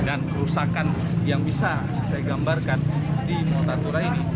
dan kerusakan yang bisa saya gambarkan di ponta tura ini